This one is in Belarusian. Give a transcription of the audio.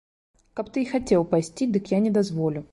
Каб ты і хацеў пайсці, дык я не дазволю.